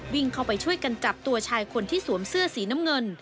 วิ่งเข้าไปช่วยกันจับตัวชายคนที่สวมเสื้อสีน้ำเงิน